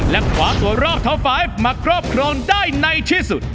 และขวาตัวรอบเท้าไฟล์มาครอบครองได้ในที่สุด